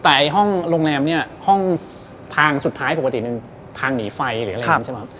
แต่ห้องโรงแรมเนี่ยห้องทางสุดท้ายปกติมันทางหนีไฟหรืออะไรอย่างนี้ใช่ไหมครับ